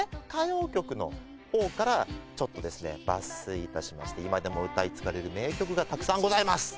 歌謡曲の方からちょっとですね抜粋いたしまして今でも歌い継がれる名曲がたくさんございます